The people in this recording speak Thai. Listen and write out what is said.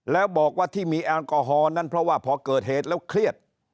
แล้วบอกว่าที่มีแอลกอฮอลนั้นเพราะว่าพอเกิดเหตุแล้วเครียด